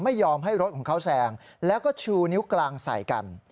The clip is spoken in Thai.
ไม่ยอมให้รถของเขาแซงแล้วก็ชูนิ้วกลางใส่กัน